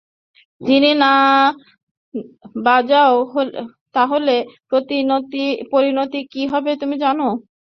যদি না বাজাও তাহলে পরিণতি কী হবে তুমি জানো।